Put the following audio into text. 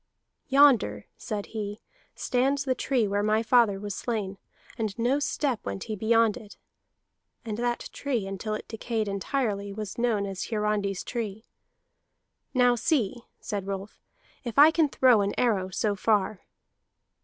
"Yonder," said he, "stands the tree where my father was slain, and no step went he beyond it. [And that tree, until it decayed entirely, was known as Hiarandi's tree.] Now see," said Rolf, "if I can throw an arrow so far."